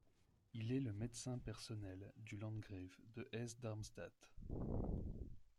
Il est le médecin personnel du landgrave de Hesse-Darmstadt.